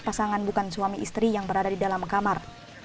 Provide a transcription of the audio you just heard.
pasangan bukan suami istri yang berada di dalam kamar